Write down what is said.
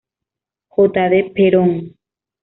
J. D. Perón.